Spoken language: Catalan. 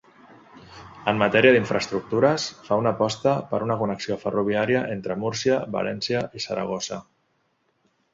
En matèria d'infraestructures fa una aposta per una connexió ferroviària entre Múrcia, València i Saragossa.